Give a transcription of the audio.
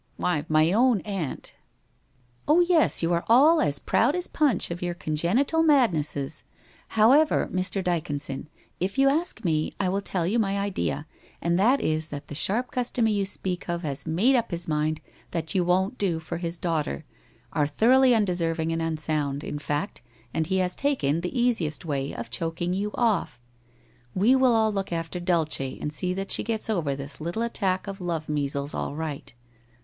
Why, my own aunt '' Oh, yes, you are all as proud as Puncli of your con genital madnesses! However, Mr. Dyconson, if you ask me, I will tell you my idea, and that is that the sharp customer you speak of has made up his mind that you won't do for his daughter — are thoroughly undeserv ing and unsound, in fact, and he has taken the easiest way of choking you off. We will all look after Dulce, and see that she gets over this little attack of love measles all right.